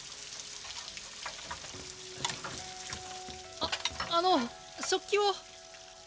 ああの食器を。